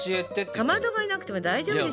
かまどがいなくても大丈夫でしょ。